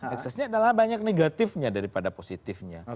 eksesnya adalah banyak negatifnya daripada positifnya